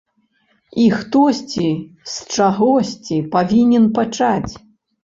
І хтосьці з чагосьці павінен пачаць.